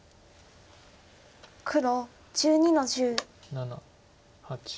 黒１２の十。